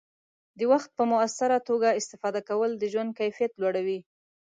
د وخت په مؤثره توګه استفاده کول د ژوند کیفیت لوړوي.